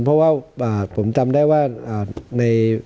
เพราะว่าผมจำได้ว่าใน